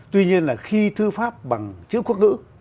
tuy nhiên là khi thư pháp bằng chữ quốc ngữ